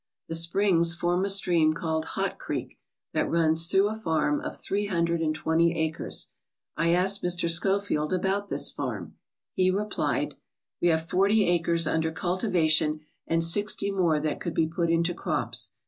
The springs form a stream called Hot Creek that runs through a farm of three hundred and twenty acres. I asked Mr. Schofield about this farm. He replied: "We have forty acres under cultivation and sixty more that could be put into crops.